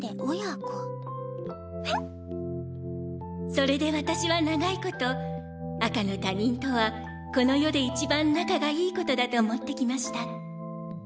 それで私は長いこと赤の他人とはこの世で一番仲がいいことだと思ってきました。